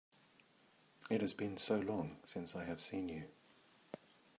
It has been so long since I have seen you!